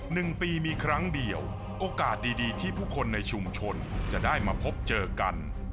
หนึ่งปีมีครั้งเดียวโอกาสดีดีที่ผู้คนในชุมชนจะได้มาพบเจอกัน